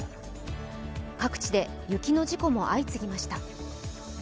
各地で雪の事故も相次ぎました。